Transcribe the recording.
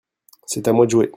c'est à moi de jouer.